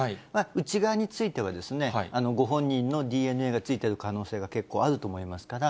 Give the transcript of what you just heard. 内側については、ご本人のＤＮＡが付いている可能性は結構あると思いますから、